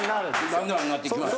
だんだんなってきます。